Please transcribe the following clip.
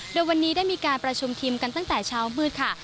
โดยวันนี้ได้มีการประชุมทีมกันตั้งแต่เช้ามืดค่ะ